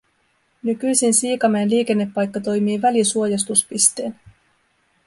Nykyisin Siikamäen liikennepaikka toimii välisuojastuspisteenä